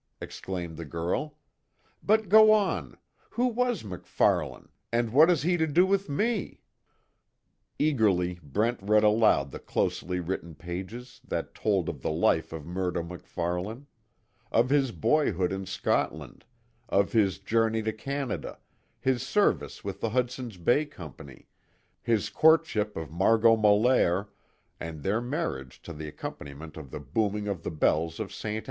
exclaimed the girl. "But, go on! Who was MacFarlane, and what has he to do with me?" Eagerly Brent read aloud the closely written pages, that told of the life of Murdo MacFarlane; of his boyhood in Scotland, of his journey to Canada, his service with the Hudson's Bay Company, his courtship of Margot Molaire, and their marriage to the accompaniment of the booming of the bells of Ste.